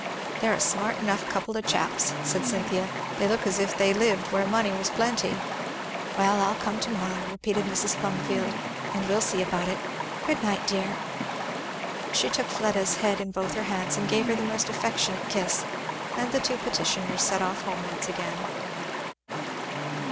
"They're a smart enough couple of chaps," said Cynthia; "they look as if they lived where money was plenty." "Well I'll come to morrow," repeated Mrs. Plumfield, "and we'll see about it. Good night, dear!" She took Fleda's head in both her hands and gave her a most affectionate kiss; and the two petitioners set off homewards again.